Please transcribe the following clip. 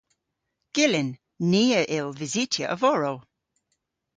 Gyllyn. Ni a yll vysytya a-vorow.